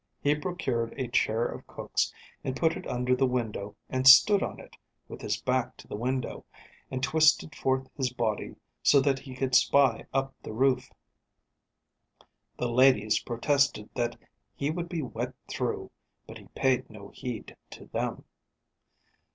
He procured a chair of cook's and put it under the window and stood on it, with his back to the window, and twisted forth his body so that he could spy up the roof. The ladies protested that he would be wet through, but he paid no heed to them.